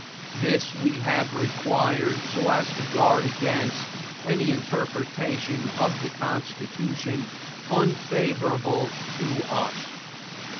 This we have required so as to guard against any interpretation of the Constitution unfavorable to us.